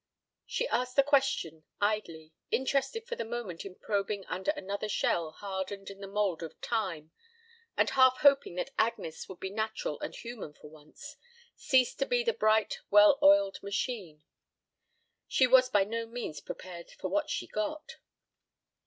She asked the question idly, interested for the moment in probing under another shell hardened in the mould of time, and half hoping that Agnes would be natural and human for once, cease to be the bright well oiled machine. She was by no means prepared for what she got.